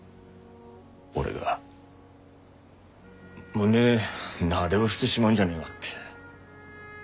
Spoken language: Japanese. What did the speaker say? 俺が胸なで下ろしてしまうんじゃねえがって。